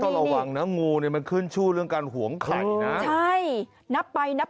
ต้องระวังนะต้องระวังนะงูอันนี้มันขึ้นชู่เรื่องการห่วงไข่นะ